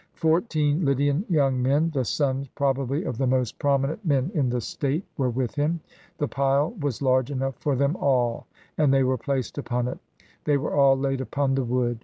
Fourteen Lydian young men, the sons, probably, of the most prominent men in the state, were with him. The pile was large enough for them all, 325 PERSIA and they were placed upon it. They were all laid upon the wood.